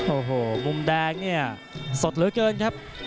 โอ้โหมุมแดงเนี่ยสดเหลือเกินครับ